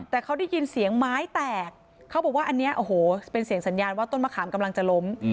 แต่เขาได้ยินเสียงไม้แตกเขาบอกว่าอันนี้โอ้โหเป็นเสียงสัญญาณว่าต้นมะขามกำลังจะล้ม